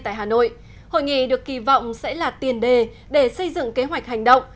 tại hà nội hội nghị được kỳ vọng sẽ là tiền đề để xây dựng kế hoạch hành động